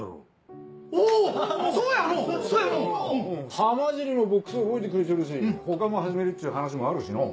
浜尻もボックス覚えてくれちょるし他も始めるっちゅう話もあるしのう。